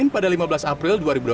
pada lima belas april dua ribu dua puluh